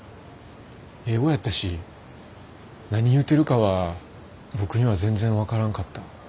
英語やったし何言うてるかは僕には全然分からんかった。